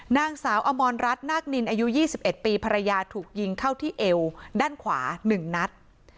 นางสาวอมรรัฐนาคนินอายุ๒๑ปีภรรยาถูกยิงเข้าที่เอวด้านขวา๑นัด